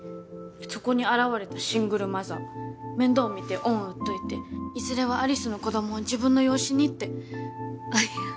そこに現れたシングルマザー面倒見て恩を売っといていずれは有栖の子供を自分の養子にってあっいや